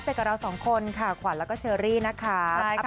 เจอกับเราสองคนค่ะขวัญแล้วก็เชอรี่นะคะใช่ค่ะ